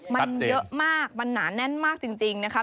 มันเยอะมากมันหนาแน่นมากจริงนะคะ